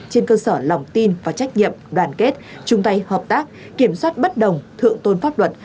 trên cơ sở lòng tin và trách nhiệm đoàn kết chung tay hợp tác kiểm soát bất đồng thượng tôn pháp luật